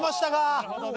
なるほどね。